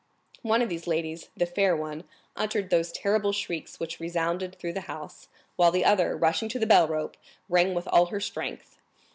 One of these ladies, the fair one, uttered those terrible shrieks which resounded through the house, while the other, rushing to the bell rope, rang with all her strength.